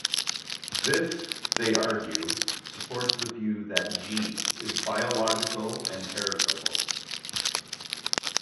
This, they argue, supports the view that "g" is biological and heritable.